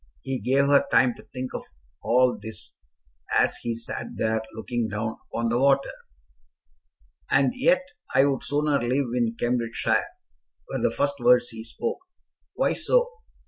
He gave her time to think of all this as he sat there looking down upon the water. "And yet I would sooner live in Cambridgeshire," were the first words he spoke. "Why so?"